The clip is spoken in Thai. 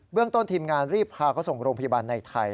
เรื่องต้นทีมงานรีบพาเขาส่งโรงพยาบาลในไทย